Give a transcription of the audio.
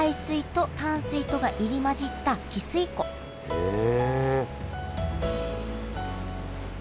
へえ！